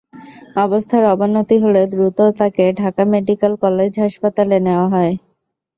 অবস্থার অবনতি হলে দ্রুত তাকে ঢাকা মেডিকেল কলেজ হাসপাতালে নেওয়া হয়।